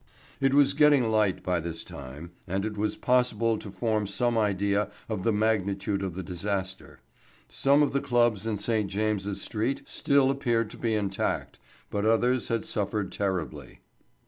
It was getting light by this time, and it was possible to form some idea of the magnitude of the disaster. Some of the clubs in St. James's Street still appeared to be intact, but others had suffered terribly.